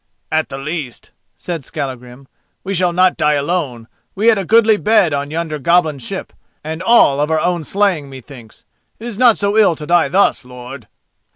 "At the least," said Skallagrim, "we shall not die alone: we had a goodly bed on yonder goblin ship, and all of our own slaying methinks. It is not so ill to die thus, lord!"